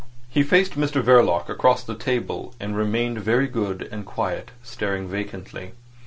He faced Mr Verloc across the table, and remained very good and quiet, staring vacantly.